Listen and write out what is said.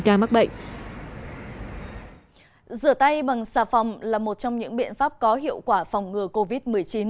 mắc bệnh rửa tay bằng xà phòng là một trong những biện pháp có hiệu quả phòng ngừa covid một mươi chín